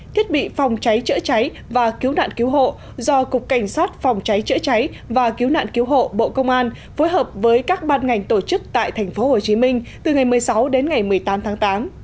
thiết bị phòng cháy chữa cháy và cứu nạn cứu hộ do cục cảnh sát phòng cháy chữa cháy và cứu nạn cứu hộ bộ công an phối hợp với các ban ngành tổ chức tại tp hcm từ ngày một mươi sáu đến ngày một mươi tám tháng tám